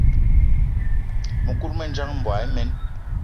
Mëkudgë mendjang, mboigi imen.